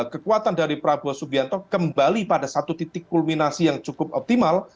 kekuatan dari prabowo subianto kembali pada satu titik kulminasi yang cukup optimal